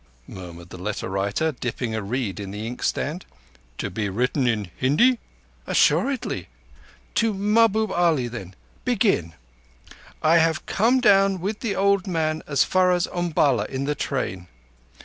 murmured the letter writer, dipping a reed in the inkstand. "To be written in Hindi?" "Assuredly. To Mahbub Ali then. Begin! _I have come down with the old man as far as Umballa in the train.